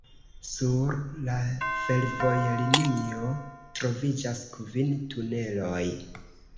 Sur la fervojlinio troviĝas kvin tuneloj.